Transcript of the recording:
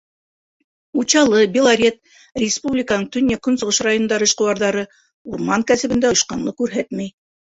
Учалы, Белорет, республиканың төньяҡ-көнсығыш райондары эшҡыуарҙары урман кәсебендә ойошҡанлыҡ күрһәтмәй.